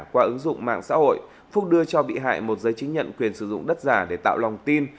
qua ứng dụng mạng xã hội phúc đưa cho bị hại một giấy chứng nhận quyền sử dụng đất giả để tạo lòng tin